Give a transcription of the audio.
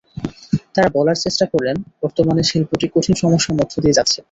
তাঁরা বলার চেষ্টা করেন, বর্তমানে শিল্পটি কঠিন সমস্যার মধ্য দিয়ে যাচ্ছে।